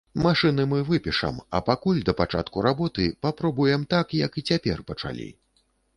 Машыны мы выпішам, а пакуль, да пачатку работы, папробуем так, як і цяпер пачалі.